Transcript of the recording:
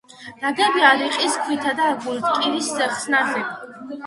ნაგებია რიყის ქვითა და აგურით, კირის ხსნარზე.